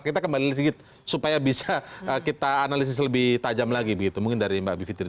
kita kembali sedikit supaya bisa kita analisis lebih tajam lagi begitu mungkin dari mbak bivitri